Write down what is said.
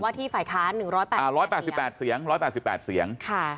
ว่าที่ไฟท้าน๑๘๘เสียง